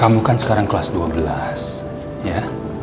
kamu kan sekarang kelas dua belas ya